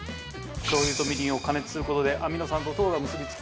しょう油とみりんを加熱する事でアミノ酸と糖が結び付き